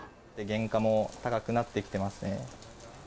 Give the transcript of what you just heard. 原価も高くなってきてますね。